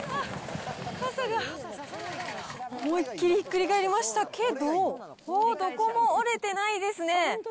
傘が思いっ切りひっくり返りましたけど、どこも折れてないですね。